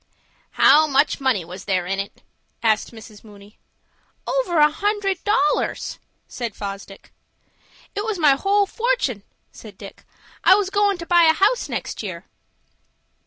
"How much money was there in it?" asked Mrs. Mooney. "Over a hundred dollars," said Fosdick. "It was my whole fortun'," said Dick. "I was goin' to buy a house next year."